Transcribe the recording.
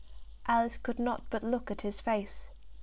Alice could not but look at his face.